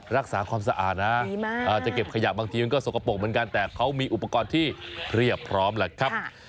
รักษาความสะอาดนะจะเก็บขยะบางทีมันก็สกปรกเหมือนกันแต่เขามีอุปกรณ์ที่เรียบพร้อมแหละครับ